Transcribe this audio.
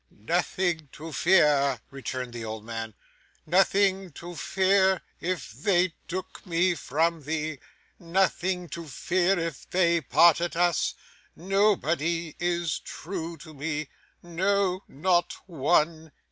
'Nothing to fear!' returned the old man. 'Nothing to fear if they took me from thee! Nothing to fear if they parted us! Nobody is true to me. No, not one.